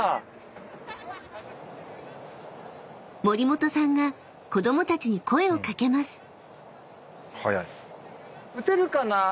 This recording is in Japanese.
［森本さんが子供たちに声を掛けます］